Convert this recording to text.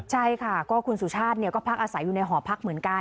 ใช่ค่ะก็คุณสุชาติก็พักอาศัยอยู่ในหอพักเหมือนกัน